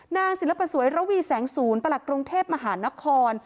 นางศิลปสวยระวีแสงศูนย์ประหลัดกรุงเทพมหานคร